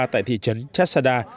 tại thị trấn chesada